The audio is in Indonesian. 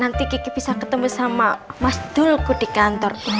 nanti kiki bisa ketemu sama mas dulku di kantor tuh